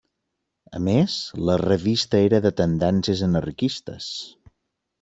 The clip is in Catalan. A més la revista era de tendències anarquistes.